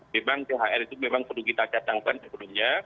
memang thr itu memang perlu kita datangkan sebelumnya